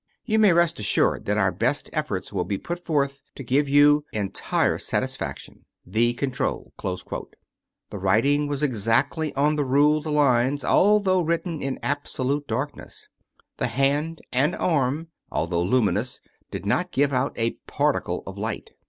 You may rest assured that our best efforts will be put forth to give you entire satisfaction. The Control." The writing was exactly on the ruled lines although writ ten in absolute darkness. The hand and arm, although luminous, did not give out a particle of light.